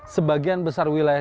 sebagian besar wilayah